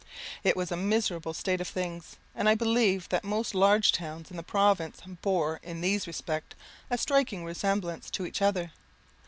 It was a miserable state of things; and I believe that most large towns in the province bore, in these respects, a striking resemblance to each other.